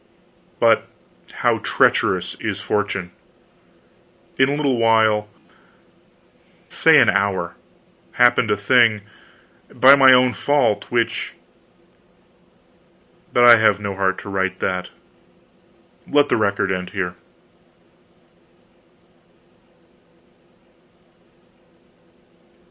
But how treacherous is fortune! In a little while say an hour happened a thing, by my own fault, which but I have no heart to write that. Let the record end here.